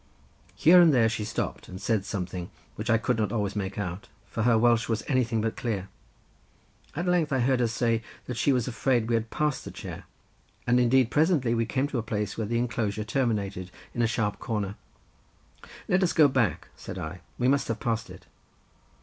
Here and there she stopped, and said something, which I could not always make out, for her Welsh was anything but clear; at length I heard her say that she was afraid we had passed the chair, and indeed presently we came to a place where the enclosure terminated in a sharp corner. "Let us go back," said I; "we must have passed it."